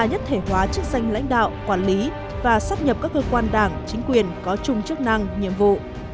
nhất thể hóa chức danh lãnh đạo quản lý và sắp nhập các cơ quan đảng chính quyền có chung chức năng nhiệm vụ